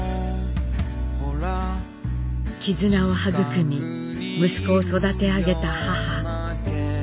絆を育み息子を育て上げた母。